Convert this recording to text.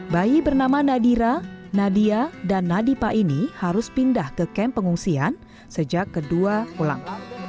bayi bernama nadira nadia dan nadipa ini harus pindah ke kamp pengungsian sejak kedua pulang